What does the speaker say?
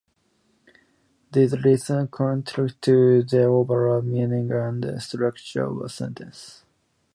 These relations contribute to the overall meaning and structure of a sentence.